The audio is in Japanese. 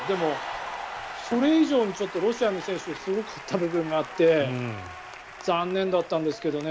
それ以上にロシアの選手がすごかった部分があって残念だったんですけどね。